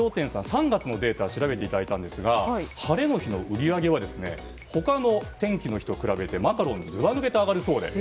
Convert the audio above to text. ３月のデータを調べていただいたんですが晴れの日の売り上げは他の天気の日と比べてマカロンずば抜けて上がるそうで。